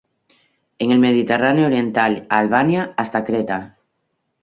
En el Mediterráneo oriental, Albania hasta Creta.